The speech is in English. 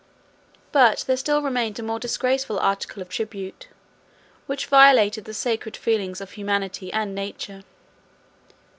But there still remained a more disgraceful article of tribute, which violated the sacred feelings of humanity and nature.